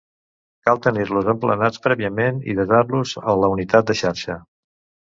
Cal tenir-los emplenats prèviament i desar-los a la unitat de xarxa.